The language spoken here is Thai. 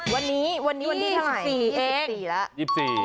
วันนี้วันที่๒๔เอง